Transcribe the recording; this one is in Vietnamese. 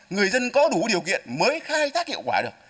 người dân có đủ điều kiện mới khai thác hiệu quả được